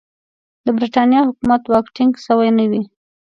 د برټانیې حکومت واک ټینګ سوی نه وي.